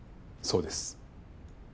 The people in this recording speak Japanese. そうです。